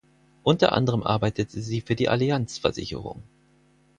Unter anderem arbeitete sie für die Allianz Versicherung.